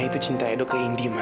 yaitu cinta edo ke indy ma